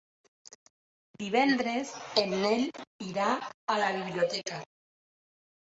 Divendres en Nel irà a la biblioteca.